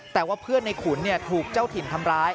แต่ว่าเพื่อนในขุนถูกเจ้าถิ่นทำร้าย